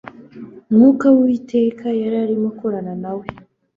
Mwuka w’Uwiteka yari arimo akorana na we.